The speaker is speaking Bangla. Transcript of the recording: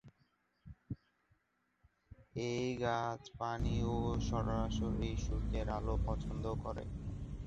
এই গাছ পানি ও সরাসরি সূর্যের আলো পছন্দ করে।